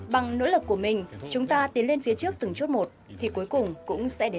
bằng nỗ lực của mình chúng ta tiến lên phía trước từng chút một thì cuối cùng cũng sẽ đến